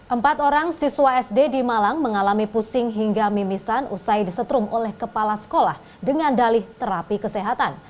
empat orang siswa sd di malang mengalami pusing hingga mimisan usai disetrum oleh kepala sekolah dengan dalih terapi kesehatan